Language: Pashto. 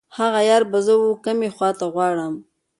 هغه یار به زه و کومې خواته غواړم.